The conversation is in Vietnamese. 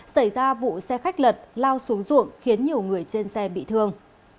xảy ra vụ xe khách lật lao xuống ruộng khiến nhiều người trên xe bị thương